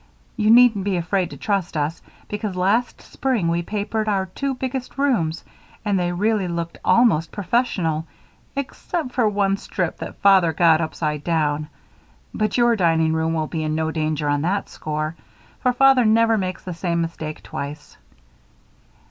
You needn't be afraid to trust us, because last spring we papered our two biggest rooms, and they really looked almost professional except for one strip that Father got upside down; but your dining room will be in no danger on that score, for Father never makes the same mistake twice.